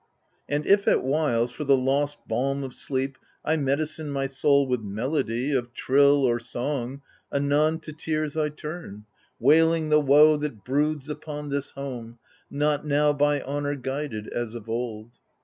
4 AGAMEMNON And if at whiles^ for the lost balm of sleep, I medicine my soul with melody Of trill or song — anon to tears I turn, Wailing the woe that broods upon this home, Not now by honour guided as of old.